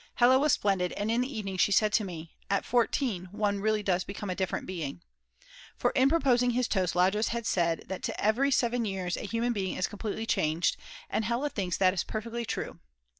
Hella was splendid, and in the evening she said to me: "At 14 one really does become a different being." For in proposing his toast Lajos had said that every 7 years a human being is completely changed, and Hella thinks that is perfectly true.